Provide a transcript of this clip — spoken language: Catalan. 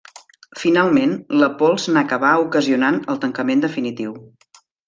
Finalment, la pols n'acabà ocasionant el tancament definitiu.